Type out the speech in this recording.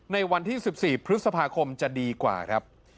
ในวันที่๑๔พฤษภาคมจะดีกว่าครับ